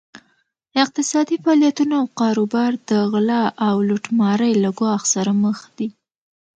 اقتصادي فعالیتونه او کاروبار د غلا او لوټمارۍ له ګواښ سره مخ دي.